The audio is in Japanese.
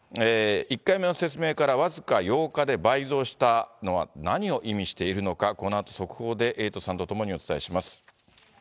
１回目の説明から僅か８日で倍増したのは何を意味しているのか、このあと、速報でエイトさんと共にお伝えします。